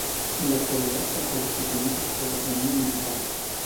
En la actualidad acoge pequeñas exposiciones municipales.